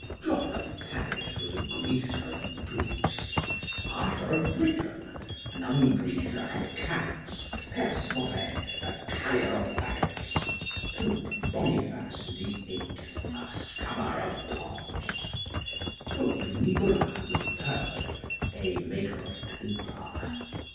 John of Paris was a greaser of boots. Arthur of Britain, an ungreaser of caps. Perce Forest, a carrier of faggots. Pope Boniface the Eighth, a scummer of pots. Pope Nicholas the Third, a maker of paper.